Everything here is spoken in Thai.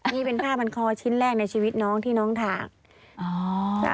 นี่เป็นผ้าพันคอชิ้นแรกในชีวิตน้องที่น้องถาก